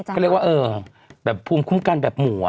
เขาเรียกว่าแบบภูมิคุ้มกันแบบหมู่